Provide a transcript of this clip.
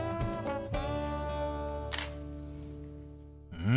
うん。